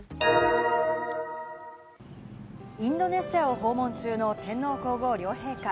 インドネシアを訪問中の天皇皇后両陛下。